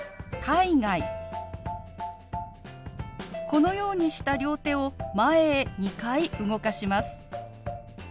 このようにした両手を前へ２回動かします。